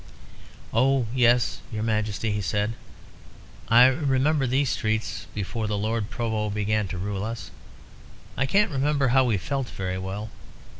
"Oh yes, your Majesty," he said. "I remember these streets before the Lord Provost began to rule us. I can't remember how we felt very well.